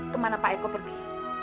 kemana pak eko pergi